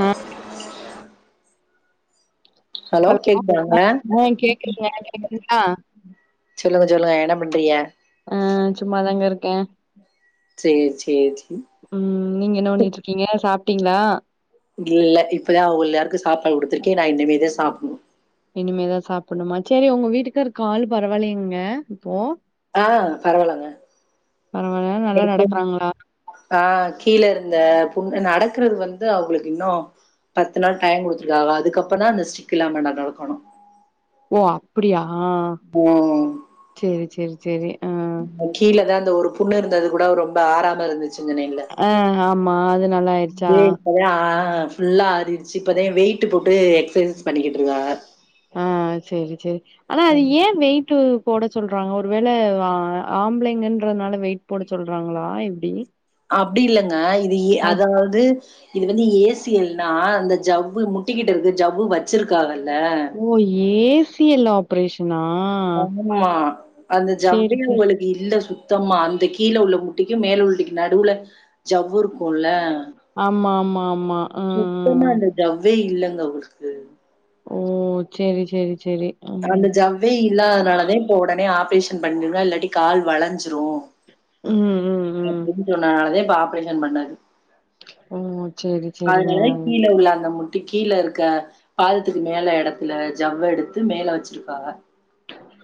ம் ஹலோ ஆ கேக்குதுங்க கேக்குதுங்களா சொல்லுங்க சொல்லுங்க என பண்றிய அ சும்மாாதாங்க இருக்கே சேரி சேரி சேரி ம் நீங்க என்ன பண்ணிட்டு இருக்கீங்க சாப் டிங்களா இல்ல இப்பதா உல்லாருக்கு சாப்பாடு கொடுத்தருக்கே நா இனிமேதா சாப்னு இனிமேதா சாப்பணுமா செரி உங்க வீட்டுகாரு கால் பரவாயில்லைங்க இப்போ ஆ பரவாலாங்க பரவால்ல நல்லா எ நடக்கறாங்களா ஆ கீழ இருந்த நடக்கறது வந்து அவங்களுக்கு இன்னு பத்து நாள் டைம் கொடுத்துருகாக அதுக்கப்பதா அந்த ஸ்டிக் இல்லாம நடக்கணு ஓ அப்படியா ஆ ம் செரி செரி செரி கீழதா அந்த ஒரு புண்ணு இருந்தது கூட ரொம்ப ஆறாம இருந்துச் அ ஆமா அது நல்லாயிருச்சா அதே இப்பதா ஆ ஃபுல்லா ஆறிடுச்சு இப்பத வெயிட் போட்டு எக்ஸசைஸ் பண்ணிக்கிட்டு இருக்காக ஆ சரி சரி ஆனா அது ஏ வெய்ட்டு போட சொல்றாங்க ஒருவேள ஆம்பளைங்கன்றதுனால வெயிட் போட சொல்றாங்களா எப்டி அப்டி இல்லங் அ இது ஆ அதாவது இது வந்து ஏசு சி நா ஜவ முட்டிக்கிட்டு இருக்கு ஜவவு வச்சிருக்காகல் ஓ எஸ் தி எல்ல ஆப்ரேஷன் ஆமா அந்த சேரி ஜவ்வு சேரி உங்களுக்கு இல்ல சுத் த்தமா அந்த கீழே உள்ள முட்டிக்கு மேல உள்ளிக்கு நடுவுல ஜவ்வு இருக்கும்ல ஆமா ஆமா ஆமா ஆ இங்க உருத்து ஓ செரி செரி அந்த ஜவ்வே இல்லாதனால தா இப்ப உடனே ஆபேஷ பண்ணிருாங்க இல்லாட்டி கால் வளஞ்சிரும் ம், ம், ம். அப்டின்னு சொன்னனால தா இப்ப ஆப் ரேஷன் பண்ணாது ஓ செரி செரிங்க கீழே இருக்க பாலத்துக்கு மேல இடத்துல ஜவ்வு எடுத்து மேல வச்சிருப்பாவ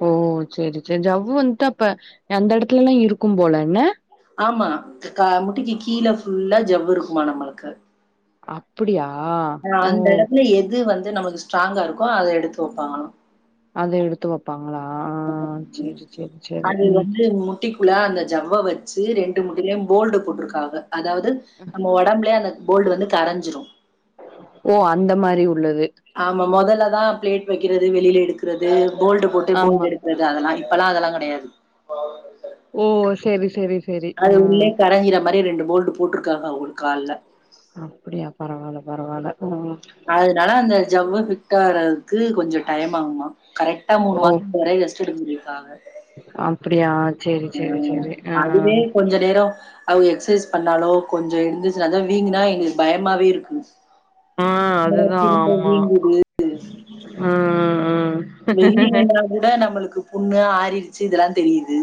ஓ செரி செரி ஜவ்வு வந்துட்டு அப்ப எந்த இடத்துல எல்லா இருக்கும் போல என்ன ஆமா முடிக்கு கீழே ஃபுல்லா ஜவ்வு இருக்குமாம் நம்மளுக்கு அப்டியா ஆஅந்த இடத்துல எது வந் நமக்கு ஸ்ட்ராங்கா இருக்கும் அத எடுத்து வைப்பாங்கலாம் அது எடுத்து வைப்பாங் சரி. அது ம். வந்து முட்டிக்குள்ள அந்த ஜவ்வ வச் ச்சு ரெண்டு முட்டிலியும் போல்டு போட்டிருக்காங்க அதாது நம்ம உடம்புலயே அந்த போல்டு வந்து கரஞ்சிரும் ஓ அந்த மாரி உள்ளது. ஆமா மொதல்ல அது தா பிளேப் வைக்கிறது வெளில எடு கிறது போல்டு போட்டு ஆமா. போல்டு எடுக்கிறது அதெல்லா இப்பெல்லா அதெல்லா கிடையாது ஓ செரி செரி அது உள்ளே கரையிற மாரி ரெண்டு போல்டு போட்ருக்காங்க அவங்களுக் கால்ல அப்படியா? பரவால்ல, பரவால்ல ஆ அதுனால அந்த ஜவ்வு ஃபிக்ட் ஆகுறதுக்கு கொஞ்சோ டைம் ஆகுமா கரெக்டா மூணு ஓ! மாசம் வரை ரெஸ்ட் எடுக்கனுன் சொல்லிருக்காங்க அப்படியா? சரி, ஆ சரி, சரி. ஆ. அதுவே கொஞ்ச நேரோ அவுக எக்ஸசைஸ் பண்ணாலோ கொஞ்சோ எழுந்துருச்சு நடந்தா வீங்குனா எங்ளுக்கு பயமாவே இருக்குங் ஆ என்னடா திரும்ப வீங்குது ம் ம் ம் வெளியனா கூட நம்மளுக்கு புண்ணு ஆறிருச்சு இதெல்லா தெரியுது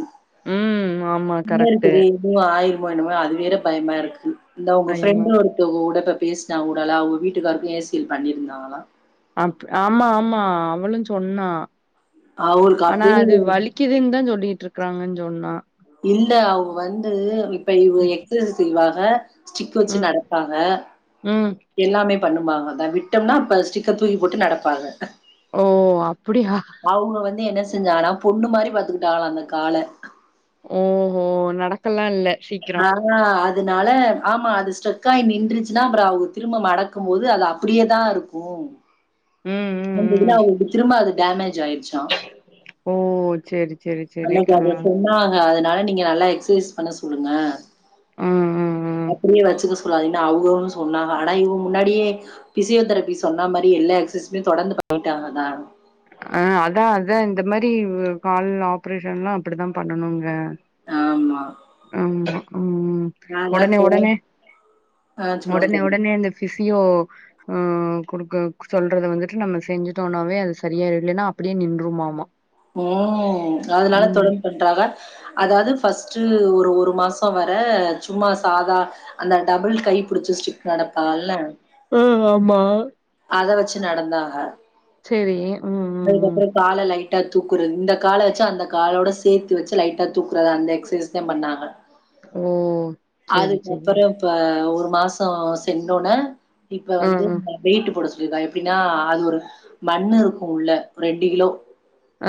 ம் ஆமா என்ன கரெக்ட்டு இருக்குது இது ஆறிறு என்னமோ என்னமோ அது வேற பயமா இருக்கு இந்த உங்க பயமா ஃப்ரெண்ட்டு ஒருத்தவங் கூட இப்பப் பேசுனா கூடலா அவங்க வீட்டுக்காருக்கு ஏ சி யல் பண்ணிருந்தாளா பண்ணியிருந்தாங்களா ஆம்த்து ஆமா ஆமா அவளுஞ் சொன்னா அவருக்கு ஆனா அது அப்டியே வலிக்குதுன்தா சொல்லிட்ருக் க்கறாங்கன் சொன்னா இல்ல அவங்க வந்து இப் இப்பயு ம் [unintelligible] அ ஸ்டிக்கு வெச்சு ம் நடப்பாங்க ம் எல்லாமே பண்ணுமா அத விட்டம்னா அப்ப ஸ்டிக்க தூக்கி போட்டு நடப்பாங்க ஓ அப்டியா அவங்க வந்து என்னஸ் செஞ்சாங்கனா பொண்ணு மாரி பாத்துகிட்டாங்களா அந்த கால ஓஹோ நடக்கலா இல்ல சீக்குரோ அதுனால ஆமா அது ஸ்டக்காயி நின்றுச்சுனா அப்புறோ அவக திரும்ப மடக்கும் போது அது அப்டியேதா இருக்கு ம் ம் வந்து ம் இதுல அவங்களுக்கு திரும்ப அது டேமேஜ் ஜாயிருச்சா ஓ சேரி சேரி சேரி அன்னைக்கு ஆ அதைய சொன்னாங்க அதன் அதுனால நீங்க நல்லா எக்சைஸ் பண்ண சொல்லுங்க ம் ம் ம் அப்டியே வெச்சுக்கஸ் ப்புறோ அது என்ன அவுங்களு சொன்னாங்க ஆனா இதுக்கு முன்னாடியே பிசியோ தெரபி சொன்னா மாரி எல்லா எக்சஸ் துமே தொடர்ந்து பண்ணிட்டாங்கதா அ அதா அதா இந்த மாரி கால் ஆப்ரேஷன்ல்லா அப்புடித்தா பண்ணனுங்க ஆமா ஆம்மா ம் நல்லா ஒடனே ஒடனே சொல்லுங்க ஒடனே சொல்லுங்க ஒடனே அந்த ஃபிசியோ ஆ குடுக்க சொல்றத வந்துட்டு நம்ம செஞ்சுட்டோன்னாவே அது செரியாயிடு இல்லன்னா அப்டியே நின்றுமாமா ம் அதனால ம் தொடந்து பண்றாங்க அதாவது ஃபஸ்ட்டு ஒர் டு ஒரு மாசோ வர சும்மா சாதா அந்த டபுள் கை புடுச்ச ஸ்டிக் நடப்பாங்கள்ல ஆ ஆமா அத வெச் ச்சு நடந்தாங்க சேரி ம் ம் ம் ட்டா தூக்குறது இந்த கால வெச்சு அந்த காலோட சேத்து வெச்சு லைட்டா தூக்குறது அந்த எக்சசைஸ்தா பண்ணாங்க ஓ சேரி சேரி அதுக்கப்புறோ இப்ப ஒரு மாசோ சென்னோன இப்ப ஆ வந்து ஆ வெயிட்டு போடஸ் ச்சுதா எப்டின்னா அது ஒரு மண்ணு இருக்கு உள்ள ஒரு ரெண்டு கிலோ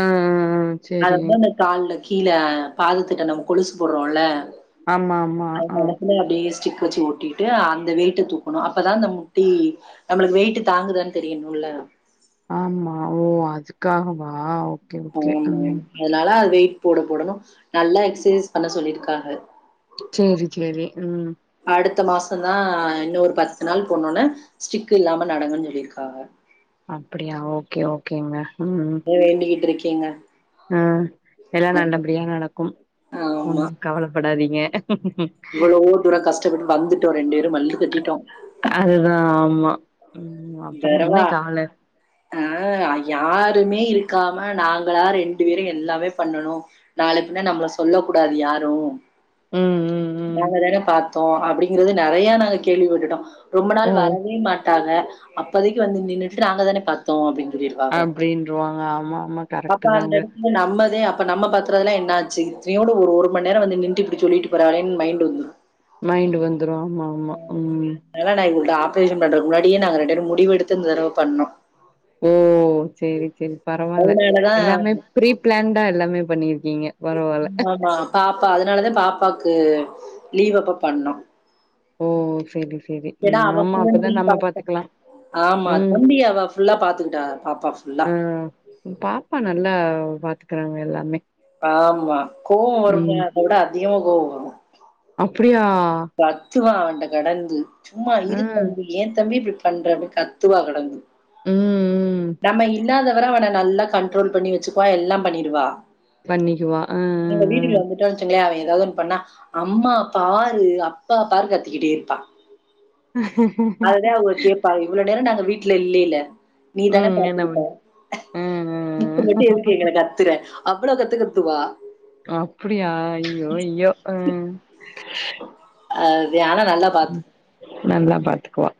ஆ ஆ சேரி அததா இந்த கால்லக் கீ கீழ பாதத்துட்ட நம்ம கொலுசு போடுறோல்ல ஆமா ஆமா ஆ சிக்கு வெச்சு ஒட்டிட்டு அந்த வெயிட்ட தூக்கணு அப்பதா அந்த முட்டி நம்மளுக்கு வெயிட்டு தாங்குதான் தெரியணுல்ல ஆமா ஓ அதுக்காகவாவ் ஆமா அதனால அது வெய் யிட் போட போடணு நல்லா எக்சசைஸ் பண்ண சொல்லியிருக்காங்க சேரி சேரி ம் அடுத்த மாசந்தா இன்னொரு பத்து நாள் போணோன்னா ஸ்டிக்கு இல்லாம நடங்கன் சொல்லியிருக்காங்க அப்புடியா ஓகே ஓகேங்க ம் அதா வேண்டிகிட்டு இருக் கீங்க ஆ எல்லா நல்லபடியா நடக்கு ஆமா. ஒன்னு கவலப்படாதீங் ங்க [inaudible] டப்பட்டு வந்துட்டோ ரெண்டு பே அதுதா ஆமா ம் அப்புற என்ன கவல அனால யாருமே இருக்காம நாங்களா ரெண்டு பேரு எல்லாமே பண்ணனு நாள பின்னா நம்மள சொல்ல கூடாது யாரு ம் ம் ம் நாங்கதான பாத் தோ அப்பிடிங்கறது நெறையா நாங்க கேள்விபட்டுட்டோ ரொம்ப ஓ நாள் வரவே மாட்டாங்க அப்பதைக்கி வந்து நின்னுட்டு நாங்க தானே பாத்தோ அப்பிடின் அப்பிடின்ருவாங்க ஆமா ஆமா கரெக்டு தாங்க இப்ப நம்ம பாத்துறதுலா என்ன ஆச்சி இத்தியோட ஒரு மணி வந்து நின்ட்டு இப்புடி சொல்லிட்டு போறக்லேன்னு மைண்ட் வந்து மைண்ட் வந்த் துரு ஆமா ஆமா ம் ட ஆப்ரேஷன் பண்ற முன்னாடியே நாங்க ரெண்டு பேரு முடிவு எடுத்து இந்தரவு பண்ணோ ஓ சேரி சேரி பரவால்ல அதனால தான் எல்லாமே ப்ரீ பிளான்தா எல்லாமே பண்ணிருக் க்கீங்க பரவால்ல ப்ப அதனாலதா பாப்பாக்கு லீவ் அப்ப பண்ணோ ஓ சேரி சே ஏனா அவ சொல்லி பாத்தே ஆமா ம் தம்பி அவ ஃபுல்லா பாத்துக்கிட்டா பாப்பா ஃபுல்லா ஆ க்கறாங்க எல்லாமே ஆமா கோவோ ம் வருந்த கூட அதிகமா கோவோ வரு அப்டியா பாத் ச்சுவா அவுண்ட கடந்து சும்மா ஆ இருது ம் தம்பி ஏ தம்பி இப்பிடி ப பண்றனு கத்துவா கடந்து ம் நம்ம இல்லாதவர வன நல்லா கண்ட்ரோல் பண்ணி வச்சுக்குவா எல்லா பண்ணிடுவா பண்ணிக்குவா ஆ எங்க வீடுல வந்துட்டு வச்சிங்களே அவே எ எதாவது ஒன்னு பண்ணா அம்மா பால் து அப்பாப்பாரு கத்துக்கிட்டே இருப்பா ஆ ஆ அதுதா அவுங்க கேப்பாங்க இவ்ளோ நேரோ நாங்க வீட்ல இல்லீல்ல நீதான ம். என்ன பாத்துக்கிட்ட பண் ம், ம், முட்ட ம். மட்டு எதுக்கு எங்கள கத்துற அவ்ளோ கத்துக்கத்துவா அப்புடியா ஐயையோ ஐயோ அ அத் தே ஆனா நல்லா பாத்துக் நல்லா பாத்துக்குவா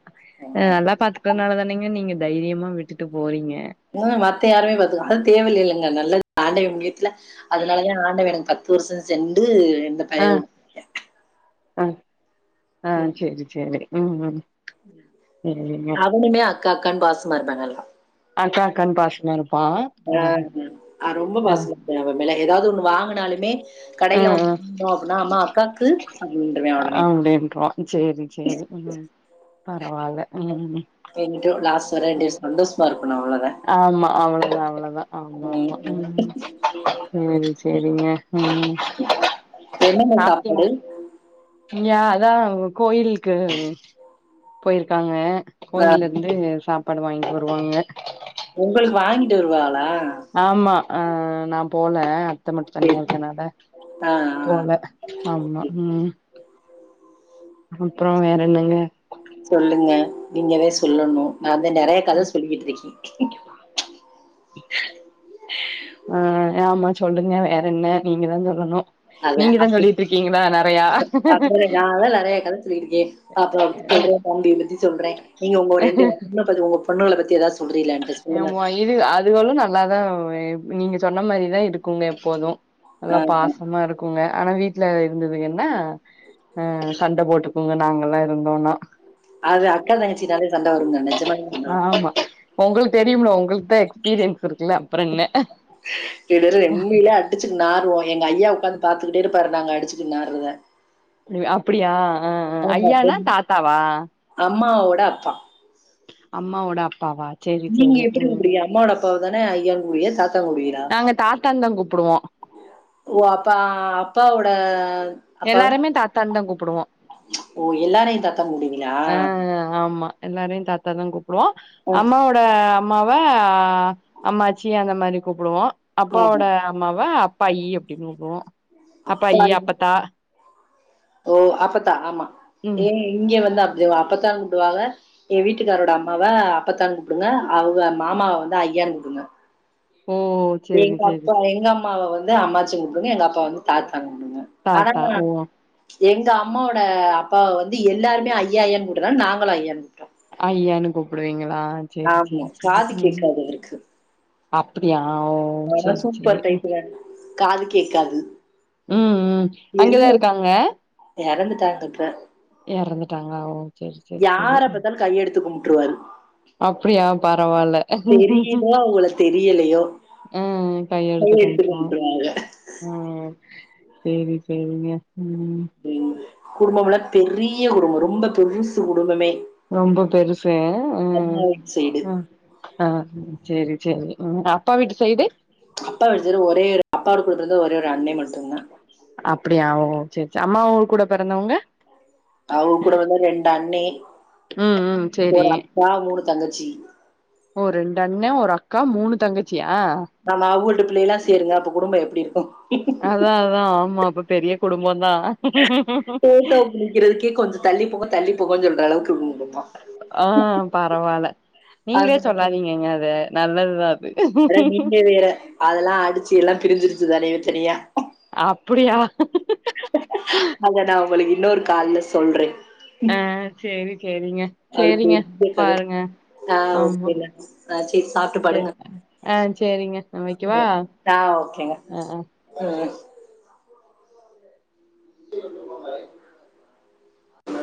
அ நல்லா பாத்துக்குறதுனால தானங்க நீங்க தைரியமா விட்டுட்டு போறீங்க மோத மத்த யாருமே பாத்துக்க அது தேவ இல்லைலங்க நல்லது ஆண்டவே புண்ணியத்துல அதனாலதா ஆண்டவே எனக்கு பத் புருச செண்டு இந்த பயோவ் அ ஆ சேரி சேரி சேரி ம் ம் சேரிங்க கான் பாசமா இருப்பாங்க எல்லா அக்கா அக்கான் பாசமா இருப் ஆ ஆ ரொம்போ பாசமா இருப்பயா அவனு மெல்ல எதாவது ஒண்ணு வாங்குனாலுமே ஆ, கடையில ஆ. ஒண்ணு வாங்குறோ அப்டின்னா அம்மா அக்காவுக்கு அப்டின்றுவே ஒடனே அப்டின்ருவான். சேரி சேரி ம் பரவால்ல ம் ம் ம் தல டேஸ் வந்து ஸ்சுவா ஆமா அவ்வளவுதா அவ்வளதா ஆமா ஆமா ம் ம் சேரி சேரிங்க ம் என்னங்க சாப்டீங் சாப்பாடு ங்கியா அதா கோயிலுக்கு போயிருக்காங்க ஆ கோயில்ல இருந்து சாப் ப்பாடு வாங்கிட்டு வருவாங்க உங்களுக்கு வாங்கிட்டு வருவாகளா ஆமா ஆ நாம் போல அத்த மட்டு தனியா சேரி இருக்கனால ஆ போல ஆமா ஆ ம் அப்புறோ வேற என்னங்க சொல்லுங்க நீங்கதே சொல்லணு நா வந்து நறையா கத சொல்லிக்கிட்ருக்கே ஆ ஆமா சொல்லுங்க வேற என்ன நீங்கதா சொல்லணு அதா நீங்கதா சொல்லிட்டு இருக்கீங்களா நெறையா அப்புறோ நாதா நறையா கத சொல்லிட்ருக்கே அப்புறோ சொல்றா தம்பிய பத்தி சொல்றே நீங்க உங்க ரெண்டு [unintelligible] பொண்ணுகள பத்தி எதாவதுஸ் ஆமா இது அதுகளலு நல்லாதா நீங்க சொன்ன மாரிதா இருக்குங்க எப்போது ஆ நல்லா பாசமா இருக்குங்க ஆனா வீட் வீட்ல இருந்ததுங்கன்னா அ சண்ட போட்டுக்குங்க நாங்க எல்லா இருந்தோனா அது அக்கா தங்கச்சி நாலே சண்ட வருங்க நெஜமாலுமோ சண்ட வரு ஆமா உங்களுக்கு தெரியும்ல உங் உங்களுக்குதா எக்ஸ்பீரியன்ஸ் இருக்குல்ல அப்புறோ என்ன பேரும் உண்மையிலே அடிச்சுக்கிட்டு நாறுவோம். எங்க ஐயா உக்காந்து பாத்துக்கிட்டே இருப்பாரு நாங்க அடுச்சுட்டு நார்றத நீங்க அப் அப்டியா ஆ ஆ ஐயானா தாத்தாவா அம்மாவோட அப்பா அம்மாவோட அப்பாவா சேரி நீங்க சேரி எப்புடி ம் உங்களுடைய அம்மாவோட அப் அப்பாவதான ஐயான் கூப்புடுவிங்க தாத் தா கூப்புடுவிகளா நாங்க தாத்தான்தா கூப்புடுவோ ஓ அப்பா அப்பாவோட அப்பா எல்லாருமே தாத்தான்தா கூப் படுவோ ஓ எல்லாரையுந் தாத்தான் கூப்புடுவீங்களா தாத்தான் கூப் வோ அம்மாவோட அ அம்மாவ அம்மாச்சி அந்த மாரி கூப்புடுவோ அப்பாவோட ம் அம்மாவ அப்பாயி அப்டின் கூப்புடுவோ அப்பாயி அப்பா அப்பத்தா ஓ அப்பத்தா ஆமா ஏ ம் இங்க வந் தா அப்டிதேவு அப்பத்தான் கூப்புடுவாங்க எ வீட்டுக்காரோட அம்மாவ அப்பத்தான் கூப்புடுங்க அவங்க மாமாவ வந்து ஐயான் கூப்புடுங்க ஓ சேரி எங்க சேரி அப்பா எங்க அம்மாவ வந் து அம்மாச்சின் கூப்புடுங்க எங்க அப்பா வந்து தாத் தான் கூப்புடுங்க ஆனா தாத்தா ஓ எங்க அம்மாவோட அப்பாவ வந்து எல்லாருமே ஐயா ஐயான் கூப்பர்ற நால நாங்களு ஐயான் கூப்டோ ஐயான் கூப்புடுவிங்க ங்ளா சேரி ஆமா சேரி சேரி காது ம் ம் கேக்காது அவருக்கு அப்டி ஓ ஆனா சேரி சேரி சூப்பர் டைப்புங்க காது கேக்காது ம் ம் அங்கதா இருக்காங்க பாத்துப்ப எறந்துட்டாங்க ஓ சேரி சேரி சேரி யார பாத்தாலு கை எடுத்துக் கும் ட்ருவாரு அப்டியா பரவால்ல தெரியுதோ அவங்கள தெரியலையோ அ கையெடுத்து கும்ட்டுவாங்க ம் சேரி சேரிங்க ம் ம் குடும்பம்லா பெரிய குடும்போ ரொம்ப பெருசு குடும்பமே ரொம்ப பெருசு அம்மா ம் வீட்டு சைடு ம் ஆ சேரி சேரி சேரி உங்க அப்பா வீட்டு சைடு அப்பா வீட்டு சைடு ஒரே எடோ அப்பாரு குடுத்தது ஒரே ஒரே அண்ணே மட்டுந்தா சரி சரி அம்மா உ கூட பிறந்தவங்க அவங்க கூட வந்து ரெண்டு அண்ணே ம் ம் சேரி ஒரு அக்கா மூணு தங்கச்சி க்கா மூணு தங்கச்சி ஆமா உள்ட் பிள்ளைகலா சேருங்க அப்ப குடும்போ எப்படி இருக்கு அதா அதா ஆமா அப்ப பெரிய குடும்போ ஃபோட்டோ புடிக்கிறதுக்கே கொஞ்ச தள்ளி போங்க தள்ளி [unintelligible] சொல்ற அளவுக்கு குடும்போ ஆ பரவாயில்ல நீங்களே சொல்லாதீங்கங்க அத நல்லதுதா அத் அத நீட்லே வேற அதெல்லா அடிச்சு எல்லா பிரிஞ்சிரு [unintelligible] த்தரியா அப்படியா அஜானா உங்களுக்கு இன்னொரு கால்ல சொல்றே ஆ சேரி சேரிங்க அதுக்கு சேரிங்க ஒரு [inaudible] கத பாருங்க ஆ ஆமா ஓகே ஆ சே சாப்ட்டு சே படுங்க ஆ சேரிங்க நா வைக்கவா ஆ ஓகேங்க ஆ ஆ உ ம்